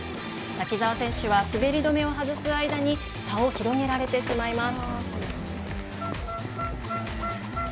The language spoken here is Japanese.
滝澤選手は、滑り止めを外す間に差を広げられてしまいます。